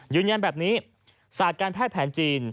ยืนยันแบบนี้ศาสตร์การแพทย์แผนจีน